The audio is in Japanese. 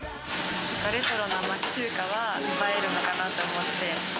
レトロな町中華は映えるのかなと思って。